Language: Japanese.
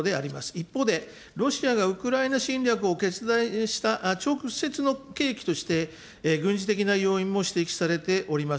一方で、ロシアがウクライナ侵略を決断した直接の契機として、軍事的な要因も指摘されております。